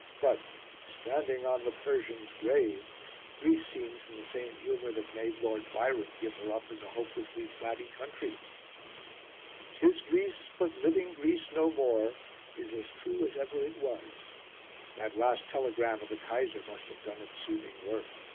But "standing on the Persians' grave" Greece seems in the same humour that made Lord Byron give her up as a hopelessly flabby country. "'Tis Greece, but living Greece no more" is as true as ever it was. That last telegram of the Kaiser must have done its soothing work.